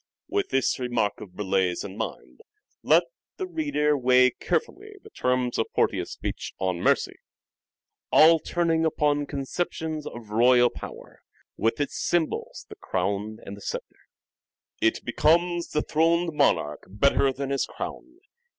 With this remark of Burleigh's in mind, let the reader weigh carefully the terms of Portia's speech on " Mercy," all turning upon conceptions of royal power, with its symbols the crown and the sceptre. '' It becomes the throned monarch better than his crown.